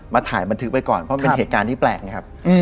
ถ่ายบันทึกไว้ก่อนเพราะเป็นเหตุการณ์ที่แปลกนะครับ